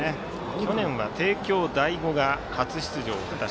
去年は帝京第五が初出場。